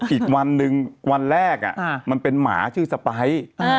อีกวันหนึ่งวันแรกมันเป็นหมาชื่อสไปร์